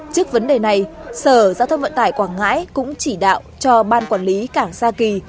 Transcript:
trước vấn đề này sở giao thông vận tải quảng ngãi cũng chỉ đạo cho ban quản lý cảng sa kỳ